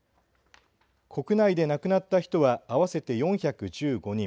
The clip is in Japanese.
国内で亡くなった人は合わせて４１５人。